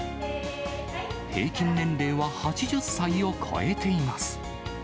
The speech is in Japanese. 平均年齢は８０歳を超えています。